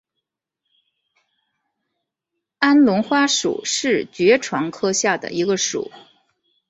安龙花属是爵床科下的一个属。